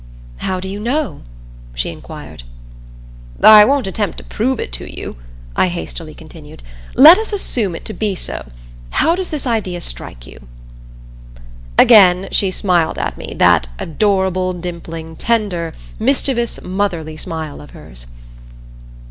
"How do you know?" she inquired. "I won't attempt to prove it to you," I hastily continued. "Let us assume it to be so. How does this idea strike you?" Again she smiled at me, that adorable, dimpling, tender, mischievous, motherly smile of hers.